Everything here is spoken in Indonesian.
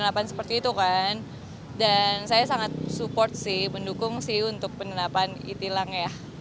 dan saya sangat support sih mendukung sih untuk penelapan itilangnya